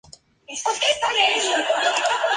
En su mayoría, comenzó a cantar en bares locales.